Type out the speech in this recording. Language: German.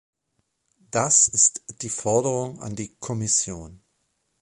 Das ist die Forderung an die Kommission.